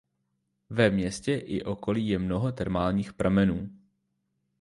Ve městě i okolí je mnoho termálních pramenů.